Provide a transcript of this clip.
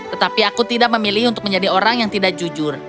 tetapi aku tidak memilih untuk menjadi orang yang tidak jujur